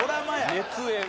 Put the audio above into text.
熱演。